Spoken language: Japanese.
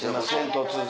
突然。